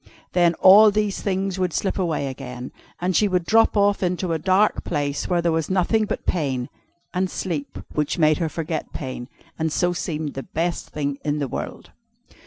Then all these things would slip away again, and she would drop off into a dark place, where there was nothing but pain, and sleep, which made her forget pain, and so seemed the best thing in the world.